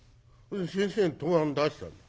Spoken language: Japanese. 先生に答案出したの。